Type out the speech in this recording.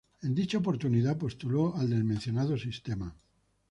En dicha oportunidad postuló al del mencionado sistema.